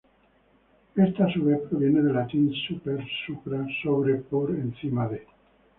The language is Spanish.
Este a su vez proviene del latín "súper, supra:" ‘sobre, por encima de’.